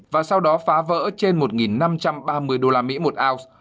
và sau đó phá vỡ trên một năm trăm ba mươi usd một ounce